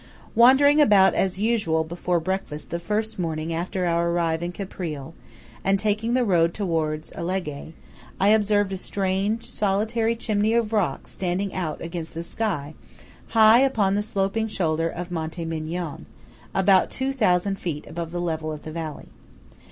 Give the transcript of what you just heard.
Wandering about as usual before breakfast the first morning after our arrival in Caprile, and taking the road towards Alleghe, I observed a strange, solitary chimney of rock standing out against the sky, high upon the sloping shoulder of Monte Migion, about two thousand feet above the level of the valley.